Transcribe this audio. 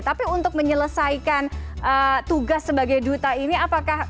tapi untuk menyelesaikan tugas sebagai duta ini apakah